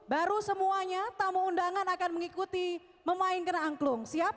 baru semuanya tamu undangan akan mengikuti memainkan angklung